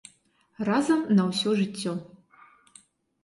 Разам на ўсё жыццё.